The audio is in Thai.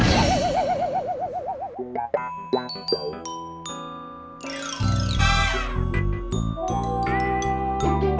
หู